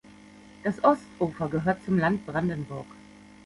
Das Ostufer gehört zum Land Brandenburg.